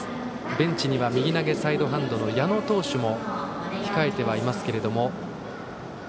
ベンチには右投げサイドハンドの矢野投手も控えていますが。